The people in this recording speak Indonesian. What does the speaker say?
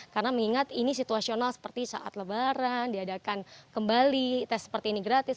karena mengingat ini situasional seperti saat lebaran diadakan kembali tes seperti ini gratis